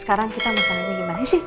sekarang kita makannya gimana sih